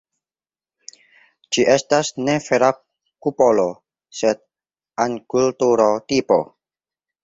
Ĝi estas ne vera kupolo, sed angulturo-tipo.